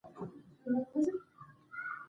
په افغانستان کې د ژورې سرچینې تاریخ اوږد دی.